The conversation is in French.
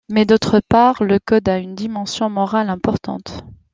Mais d'autre part, le code a une dimension morale importante.